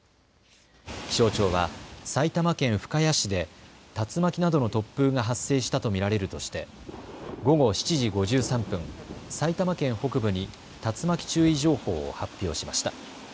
気象庁は埼玉県深谷市で竜巻などの突風が発生したと見られるとして午後７時５３分、埼玉県北部に竜巻注意情報を発表しました。